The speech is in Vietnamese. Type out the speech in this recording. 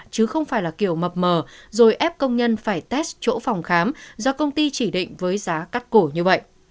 chứ không phải là kiểu mập mờ rồi ép công nhân phải test chỗ phòng khám do công ty chỉ định với giá cắt cổ như vậy